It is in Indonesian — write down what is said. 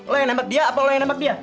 lo yang nembak dia apa lo yang nembak dia